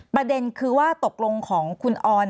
ประเด็นคือว่าตกลงของคุณออน